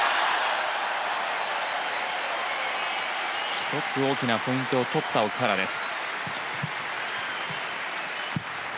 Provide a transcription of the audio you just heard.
１つ、大きなポイントを取った奥原です。